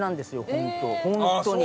本当に！